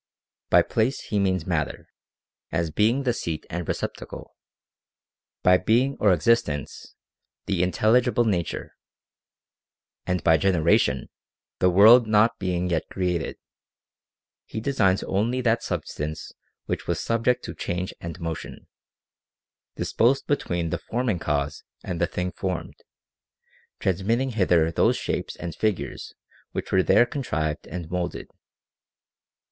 * By place he means matter, as being the seat and receptacle ; by be ing or existence, the intelligible nature ; and by genera tion, the world not being yet created, he designs only that substance which was subject to change and motion, dis posed between the forming cause and the thing formed, transmitting hither those shapes and figures which were there contrived and moulded.